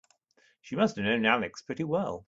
She must have known Alex pretty well.